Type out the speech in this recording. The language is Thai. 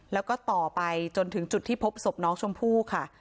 แล้วก็ต่อไปจนถึงจุดที่พบศพน้องชมพู่ค่ะ